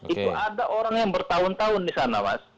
itu ada orang yang bertahun tahun di sana mas